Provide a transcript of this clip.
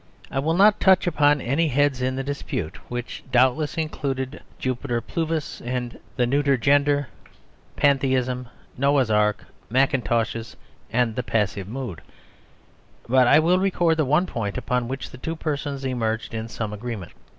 I will not touch upon any heads of the dispute, which doubtless included Jupiter Pluvius, the Neuter Gender, Pantheism, Noah's Ark, Mackintoshes, and the Passive Mood; but I will record the one point upon which the two persons emerged in some agreement.